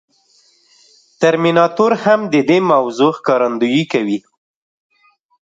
ترمیناتور هم د دې موضوع ښکارندويي کوي.